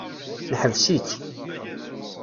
Neḥbes-itt.